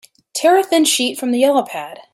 Tear a thin sheet from the yellow pad.